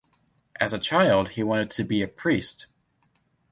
As a child he wanted to be a priest.